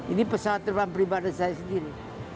ini pesawat terbang pribadi saya sendiri